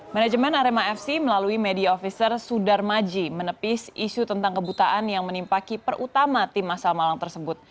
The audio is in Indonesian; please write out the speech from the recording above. manajemen arema fc melalui media officer sudar maji menepis isu tentang kebutaan yang menimpaki perutama tim asal malang tersebut